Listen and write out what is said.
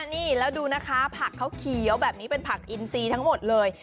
นี่แล้วดูนะคะผักเขาเขียวแบบนี้เป็นผักอินซีทั้งหมดเลย